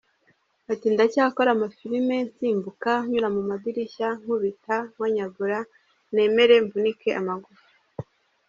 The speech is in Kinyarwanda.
Ati “ Ndacyakora amafilime, nsimbuka nyura mu madirishya, nkubita, nkonyagura, nemere mvunike amagufa.